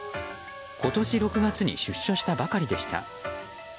今年６月に出所したばかりでした。